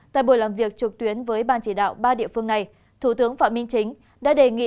tại buổi làm việc trực tuyến với ban chỉ đạo ba địa phương này thủ tướng phạm minh chính đã đề nghị